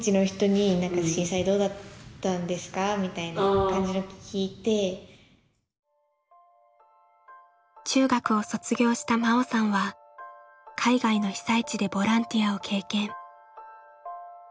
あるけど確かあでもそうだな中学を卒業した真緒さんは海外の被災地でボランティアを経験。